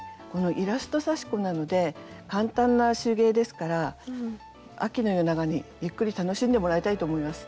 イラスト刺し子なので簡単な手芸ですから秋の夜長にゆっくり楽しんでもらいたいと思います。